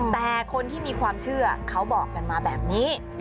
แต่คนที่มีความเชื่อเขาบอกกันมาแบบนี้